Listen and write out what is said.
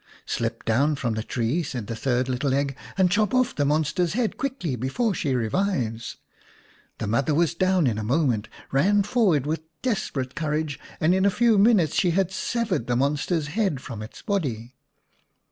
" Slip down from the tree," said the third little egg, " and chop off the monster's head quickly before she revives." The mother was down in a moment, ran forward with desperate courage, and in a few minutes she had severed the monster's head from its body.